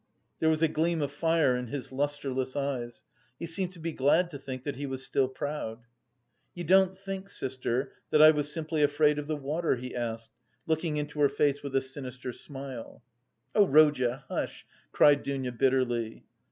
There was a gleam of fire in his lustreless eyes; he seemed to be glad to think that he was still proud. "You don't think, sister, that I was simply afraid of the water?" he asked, looking into her face with a sinister smile. "Oh, Rodya, hush!" cried Dounia bitterly.